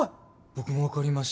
僕も分かりました。